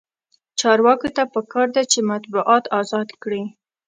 چارواکو ته پکار ده چې، مطبوعات ازاد کړي.